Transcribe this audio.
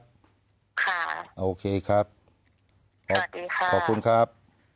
โอเคครับสวัสดีค่ะขอบคุณครับ